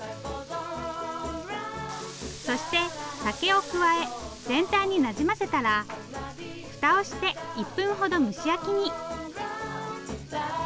そして酒を加え全体になじませたら蓋をして１分ほど蒸し焼きに。